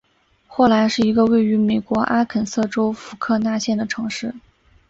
霍兰是一个位于美国阿肯色州福克纳县的城市。